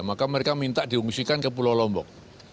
maka mereka minta diungsikan ke pulau lombok